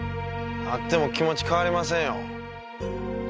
会っても気持ち変わりませんよ。